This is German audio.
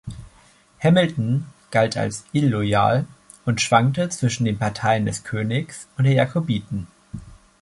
Hamilton galt als illoyal und schwankte zwischen den Parteien des Königs und der Jakobiten.